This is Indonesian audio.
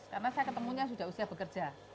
karena saya ketemunya sudah usia bekerja